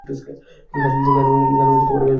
গানও বেশ ভালো গায়!